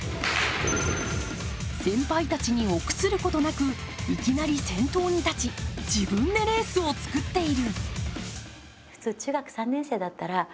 先輩たちに臆することなく、いきなり先頭に立ち、自分でレースを作っている。